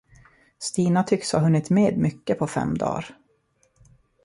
Stina tycks ha hunnit med mycket på fem dar.